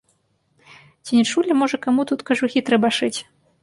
Ці не чулі, можа, каму тут кажухі трэба шыць?